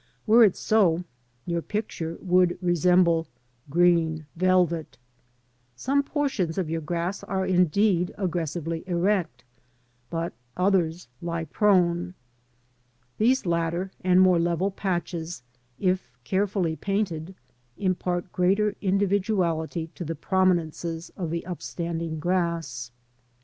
Were it so, your picture would resemble green velvet. Some portions of your grass are indeed aggressively erect, but others lie prone. These latter, and more level patches, if carefully painted, impart greater individuality to the prominences of the upstanding grass.